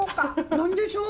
何でしょう？